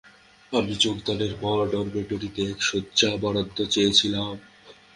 আমি যোগদানের পর ডরমিটরিতে একটি শয্যা বরাদ্দ চেয়েছিলাম।